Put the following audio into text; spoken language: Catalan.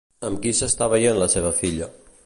Amb qui s'està veient la seva filla?